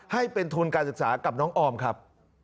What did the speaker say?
ให้เป็นทุนการศึกษากับน้องออมครับ